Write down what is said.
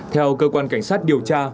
theo cơ quan cảnh sát điều tra